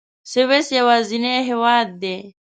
سویس یوازینی هېواد دی.